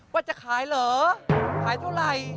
ว่าจะขายเหรอขายเท่าไหร่